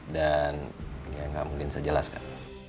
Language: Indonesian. dan yang gak mungkin sejelaskan